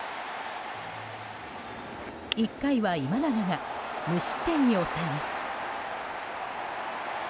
１回は今永が無失点に抑えます。